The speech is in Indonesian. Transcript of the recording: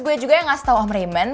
gue juga yang ngasih tau om raymond